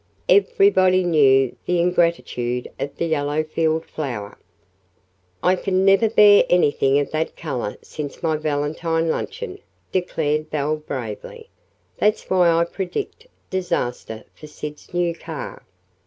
Everybody knew the ingratitude of the yellow field flower. "I can never bear anything of that color since my valentine luncheon," declared Belle bravely. "That's why I predict disaster for Sid's new car."